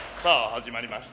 さあ、始まりました